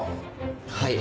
はい。